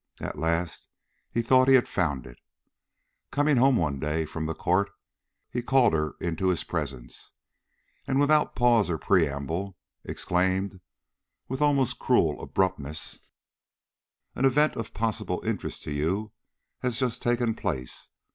At last he thought he had found it. Coming home one day from the court, he called her into his presence, and, without pause or preamble, exclaimed, with almost cruel abruptness: "An event of possible interest to you has just taken place.